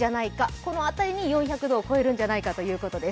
この辺りに４００度を超えるんじゃないかということです。